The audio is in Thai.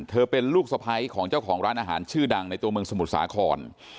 เป็นลูกสะพ้ายของเจ้าของร้านอาหารชื่อดังในตัวเมืองสมุทรสาคร